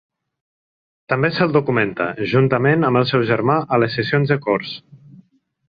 També se'l documenta, juntament amb el seu germà, a les sessions de corts.